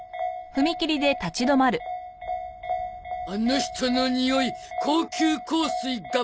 あの人のにおい高級香水ガッバーナ。